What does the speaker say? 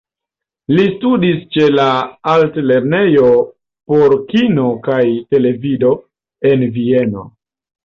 Li studis ĉe la Altlernejo por Kino kaj Televido en Vieno.